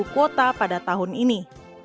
kota pada tahun ini